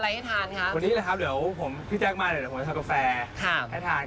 วันนี้จะทำอะไรให้ทาน